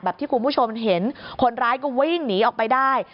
ที่คุณผู้ชมเห็นคนร้ายก็วิ่งหนีออกไปได้